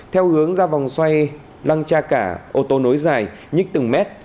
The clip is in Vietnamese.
theo hướng ra vòng xoay lăng cha cả ô tô nối dài nhích từng mét